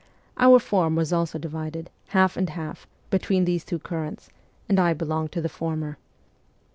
Our form was also divided, half and half, between these two currents, and I belonged to the former.